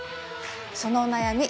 そのお悩み